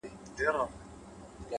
خپل قوتونه وپېژنئ’